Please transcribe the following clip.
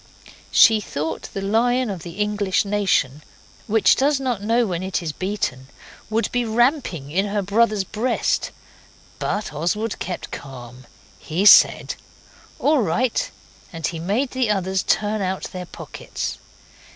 She thought the lion of the English nation, which does not know when it is beaten, would be ramping in her brother's breast. But Oswald kept calm. He said 'All right,' and he made the others turn out their pockets.